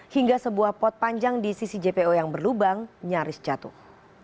hingga sebuah pot panjang di sisi jpo yang berlubang nyaris jatuh